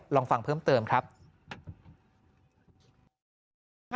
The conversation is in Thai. ลองฟังเพิ่มเติมครับ